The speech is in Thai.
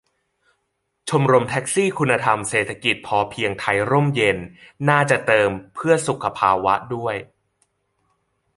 ชมรมแท็กซี่คุณธรรมเศรษฐกิจพอเพียงไทยร่มเย็น น่าจะเติม 'เพื่อสุขภาวะ' ด้วย